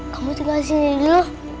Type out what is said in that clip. kamu tinggal sini dulu